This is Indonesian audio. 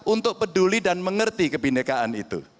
untuk peduli dan mengerti kebhinnekaan itu